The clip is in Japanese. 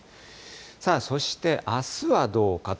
さあ、そしてあすはどうかと。